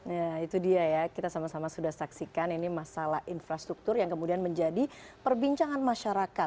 ya itu dia ya kita sama sama sudah saksikan ini masalah infrastruktur yang kemudian menjadi perbincangan masyarakat